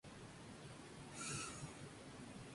Poseía fuertes mandíbulas que eran capaces de destrozar huesos.